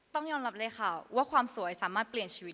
ต้องยอมรับเลยค่ะว่าความสวยสามารถเปลี่ยนชีวิต